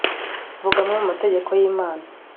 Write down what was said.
Vuga amwe mu mategeko y’Imana